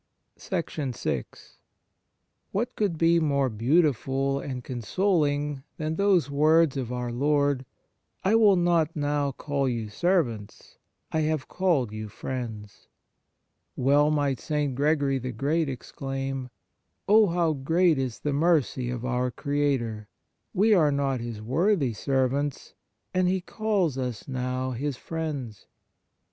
vi T T 7 HAT could be more beautiful and Y V consoling, than those words of Our Lord: " I will not now call you ser vants ... I have called you friends." Well might St. Gregory the Great ex claim: " Oh, how great is the mercy of our Creator 1 we are not His worthy servants and He calls us now His friends."